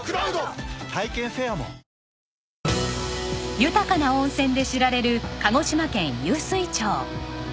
豊かな温泉で知られる鹿児島県湧水町。